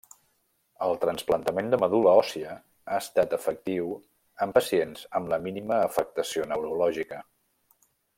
El trasplantament de medul·la òssia ha estat efectiu en pacients amb la mínima afectació neurològica.